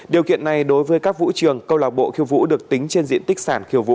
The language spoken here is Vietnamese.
điều kiện này đối với các vũ trường câu lạc bộ khiêu vũ được tính trên diện tích sản khiêu vũ